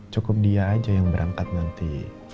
cukup dia aja yang berangkat nanti